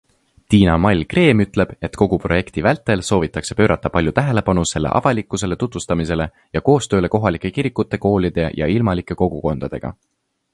Tiina-Mall Kreem ütleb, et kogu projekti vältel soovitakse pöörata palju tähelepanu selle avalikkusele tutvustamisele ja koostööle kohalike kirikute, koolide ja ilmalike kogukondadega.